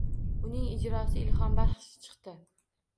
Uning ijrosi ilhombaxsh chiqdi.